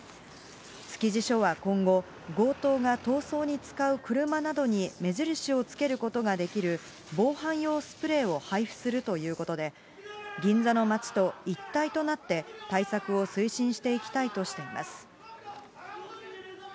築地署は今後、強盗が逃走に使う車などに目印をつけることができる防犯用スプレーを配布するということで、銀座の街と一体となって対策を推進していきたいとしています。